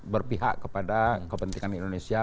berpihak kepada kepentingan indonesia